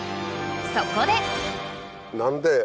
そこで！